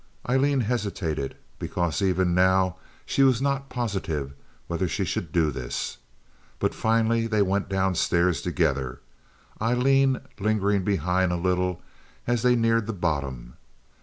Aileen hesitated because even now she was not positive whether she should do this, but finally they went down the stairs together, Aileen lingering behind a little as they neared the bottom.